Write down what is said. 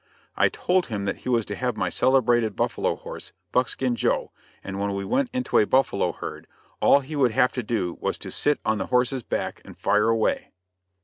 I told him that he was to have my celebrated buffalo horse Buckskin Joe, and when we went into a buffalo herd all he would have to do was to sit on the horse's back and fire away.